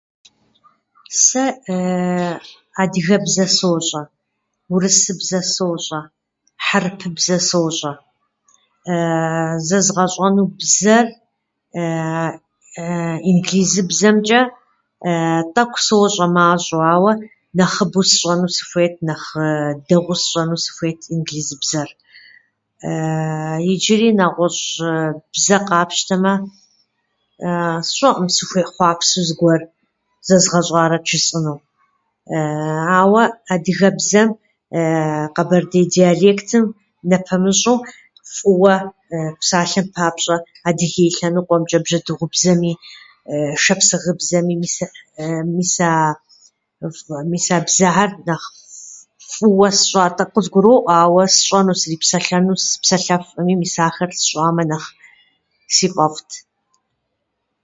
Сэ адыгэбзэ сощӏэ, урысыбзэ сощӏэ, хьэрыпыбзэ сощӏэ зэзгъэщӏэну бзэр инглызыбзэмчӏэ тӏэкӏу сощӏэ мащӏэу, ауэ нэхъыбэу сщӏэну сыхуейт, нэхъ дэгъуэу сщӏэну сыхуейт инглызыбзэр. Иджыри нэгъуэщӏ бзэ къапщтэмэ, сщӏэӏым сыхуехъуапсэу зыгуэр зэзгъэщӏарэт жысӏэну. Ауэ адыгэбзэм къэбэрдей диалектым нэпэмыщӏу, фӏыуэ, псалъэм папщӏэ, Адыгей лъэныкъуэмчӏэ бжьэдыгъубзэми, шапсыгъыбзэми, мис- мис а- мис а бзэхэр нэхъ фӏыуэ сощӏэ, къызгуроӏуэ, ауэ фӏыуэ сщӏэну срипсэлъэну, сыпсэлъэфкъыми, мис ахэр сщӏамэ нэхъ си фӏэфӏт.